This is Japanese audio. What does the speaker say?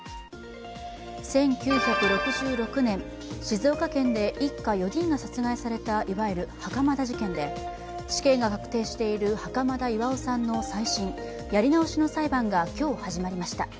１９６６年、静岡県で一家４人が殺害されたいわゆる袴田事件で、死刑が確定している袴田巖さんの再審、やり直しの裁判が今日始まりました。